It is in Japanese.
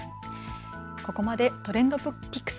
ここまでＴｒｅｎｄＰｉｃｋｓ。